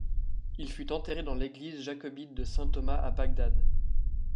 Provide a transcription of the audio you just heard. Il fut enterré dans l'église jacobite de Saint-Thomas à Bagdad.